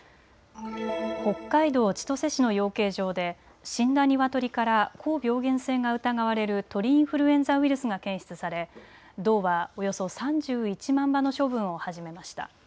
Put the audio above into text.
北海道千歳市の養鶏場で死んだニワトリから高病原性が疑われる鳥インフルエンザウイルスが検出され道はおよそ３１万羽の処分を始めました。